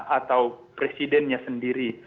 atau presidennya sendiri